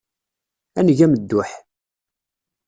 Ad neg amedduḥ.